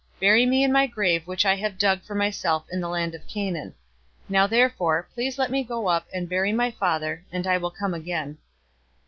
Bury me in my grave which I have dug for myself in the land of Canaan." Now therefore, please let me go up and bury my father, and I will come again.'"